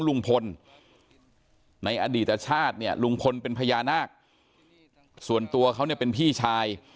ลุงพลในอดีตชาติเนี่ยลุงพลเป็นพญานาคส่วนตัวเขาเนี่ยเป็นพี่ชาย